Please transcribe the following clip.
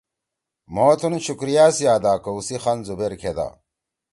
مھو تُھن شکریہ سی ادا کؤ سی خان زبیر کھیدا